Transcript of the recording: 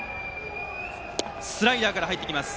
スライダーから入ってきた。